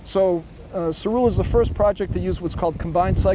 sarula adalah proyek pertama yang menggunakan teknologi siklus kombinasi